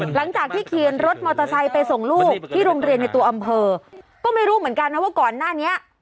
หลังจากที่เขียนรถมอเตอร์ไซค์ไปส่งลูกที่โรงเรียนในตัวอำเภอก็ไม่รู้เหมือนกันนะว่าก่อนหน้านี้